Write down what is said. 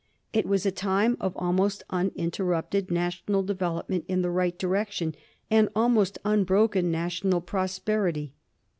It was a time of almost uninterrupted national development in the right direction, and almost unbroken national prosperity.